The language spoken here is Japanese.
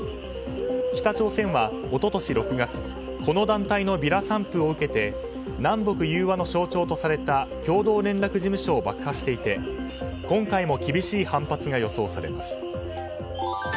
北朝鮮は一昨年６月この団体のビラ散布を受けて南北融和の象徴とされた共同連絡事務所を爆破していて今回も厳しい反発が予想されます。